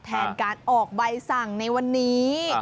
แทนการออกใบสั่งในวันนี้